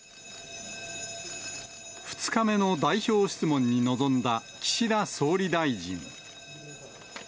２日目の代表質問に臨んだ岸田総理大臣。